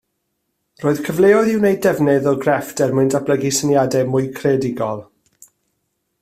Roedd cyfleoedd i wneud defnydd o grefft er mwyn datblygu syniadau mwy creadigol